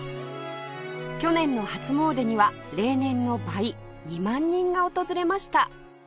今年の初詣には例年の倍２万人が訪れました